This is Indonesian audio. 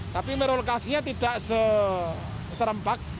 tapi merelokasinya tidak serempak